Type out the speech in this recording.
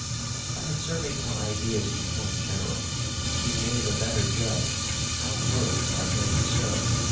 "By observing how ideas become general, we may the better judge how words are made so.